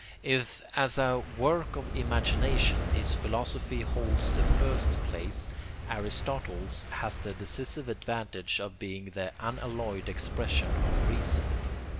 If as a work of imagination his philosophy holds the first place, Aristotle's has the decisive advantage of being the unalloyed expression of reason.